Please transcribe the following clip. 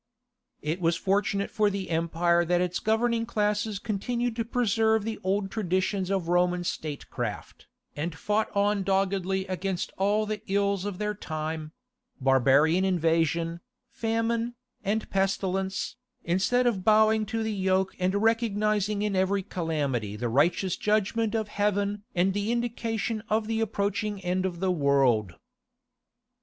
It was fortunate for the empire that its governing classes continued to preserve the old traditions of Roman state craft, and fought on doggedly against all the ills of their time—barbarian invasion, famine, and pestilence, instead of bowing to the yoke and recognizing in every calamity the righteous judgment of heaven and the indication of the approaching end of the world.